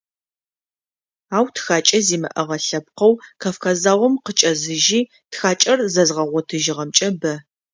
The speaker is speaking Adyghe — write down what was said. Ау тхакӏэ зимыӏэгъэ лъэпкъэу, Кавказ заом къыкӏэзыжьи, тхакӏэр зэзгъэгъотыжьыгъэмкӏэ – бэ.